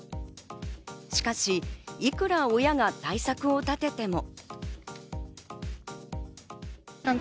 しかしいくら親が対策を立てても。